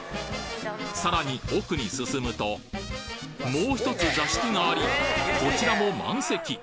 さらに奥に進むともう１つ座敷がありこちらも満席！